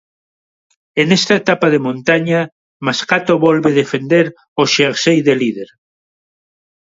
E nesta etapa de montaña, Mascato volve defender o xersei de líder.